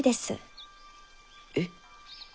えっ。